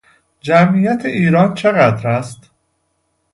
جمعیت ایران چقدر است؟